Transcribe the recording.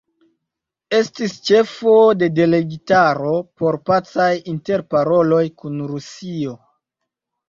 Estis ĉefo de delegitaro por pacaj interparoloj kun Rusio.